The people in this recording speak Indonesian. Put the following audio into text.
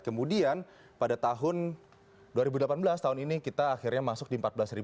kemudian pada tahun dua ribu delapan belas tahun ini kita akhirnya masuk di empat belas sembilan ratus tiga puluh lima